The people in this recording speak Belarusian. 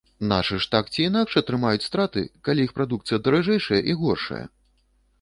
Нашы ж, так ці інакш, атрымаюць страты, калі іх прадукцыя даражэйшая і горшая?